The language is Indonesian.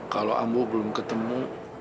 kalau ambu belum ketemu